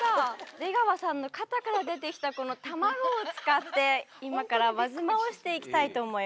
出川さんの肩から出てきたこの卵を使って今から和妻をしていきたいと思います。